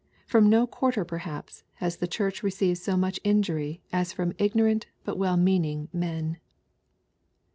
From no quarter perhaps has the Church received so much injury as from ignorant but well meaning men.